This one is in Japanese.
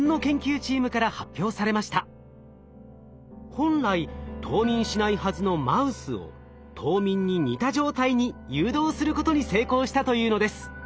本来冬眠しないはずのマウスを冬眠に似た状態に誘導することに成功したというのです。